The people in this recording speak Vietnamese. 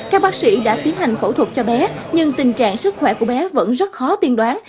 các bác sĩ đã tiến hành phẫu thuật cho bé nhưng tình trạng sức khỏe của bé vẫn rất khó tiên đoán